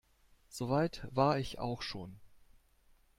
So weit war ich auch schon.